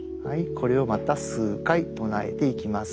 これをまた数回唱えていきます。